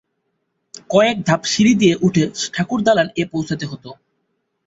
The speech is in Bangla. কয়েক ধাপ সিঁড়ি দিয়ে উঠে ঠাকুর দালান-এ পৌঁছতে হত।